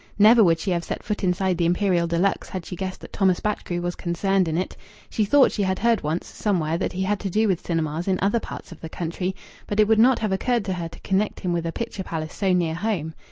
Never would she have set foot inside the Imperial de Luxe had she guessed that Thomas Batchgrew was concerned in it. She thought she had heard once, somewhere, that he had to do with cinemas in other parts of the country, but it would not have occurred to her to connect him with a picture palace so near home.